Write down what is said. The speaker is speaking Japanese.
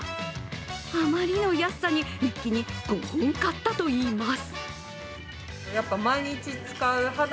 あまりの安さに一気に５本買ったといいます。